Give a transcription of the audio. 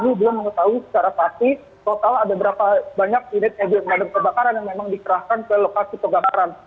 kami belum mengetahui secara pasti total ada berapa banyak unit mobil pemadam kebakaran yang memang dikerahkan ke lokasi kebakaran